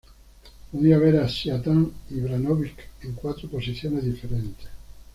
Podía ver a Zlatan Ibrahimović en cuatro posiciones diferentes.